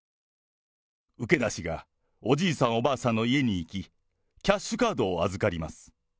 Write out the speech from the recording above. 受け出しがおじいさん、おばあさんの家に行き、キャッシュカードを預かります。